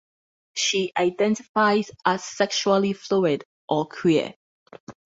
She identifies as sexually fluid or queer.